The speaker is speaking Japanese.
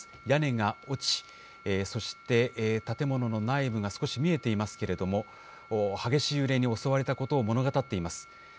屋根が落ち、そして、建物の内部が少し見えていますけれども、激しい揺れに襲われたことを物語っています。